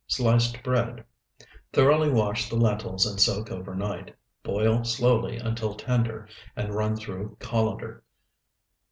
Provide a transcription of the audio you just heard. Sliced bread. 1. Thoroughly wash the lentils and soak overnight. Boil slowly until tender and run through colander.